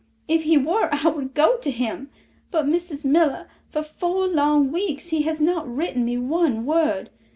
If he were I would go to him. But, Mrs. Miller, for four long weeks he has not written me one word.